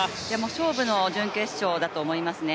勝負の準決勝だと思いますね。